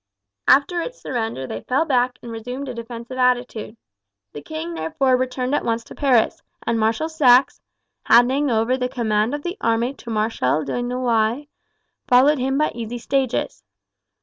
After its surrender they fell back and resumed a defensive attitude. The king therefore returned at once to Paris, and Marshal Saxe, handing over the command of the army to Marshal de Noailles, followed him by easy stages.